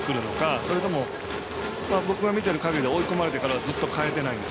それとも僕が見てる限りで追い込まれてからはずっと変えてないんです。